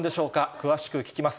詳しく聞きます。